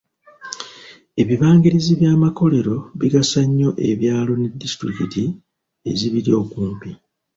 Ebibangirizi by'amakolero bigasa nnyo ebyalo ne disitulikiti ezibiri okumpi.